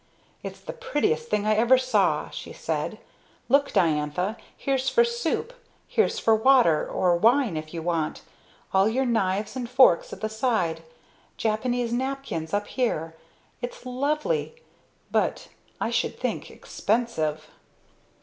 "It's the prettiest thing I ever saw," she said. "Look, Diantha; here's for soup, here's for water or wine if you want, all your knives and forks at the side, Japanese napkins up here. Its lovely, but I should think expensive!"